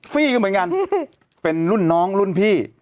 ฟี่ก็เหมือนกันเป็นรุ่นน้องรุ่นพี่